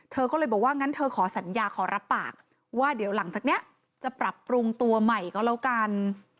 เธอก็เลยบอกว่างั้นเธอขอสัญญาขอรับปากว่าเดี๋ยวหลังจากนี้จะปรับปรุงตัวใหม่ก็แล้วกัน